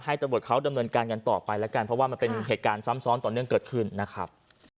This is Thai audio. ตำรวจเขาดำเนินการกันต่อไปแล้วกันเพราะว่ามันเป็นเหตุการณ์ซ้ำซ้อนต่อเนื่องเกิดขึ้นนะครับ